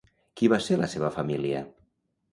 Qui va ser la seva família?